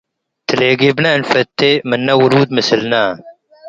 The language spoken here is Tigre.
ትሌጊብነ እንፈቴ ምነ ውሉድ ምስልነ